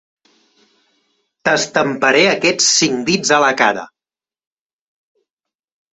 T'estamparé aquests cinc dits a la cara.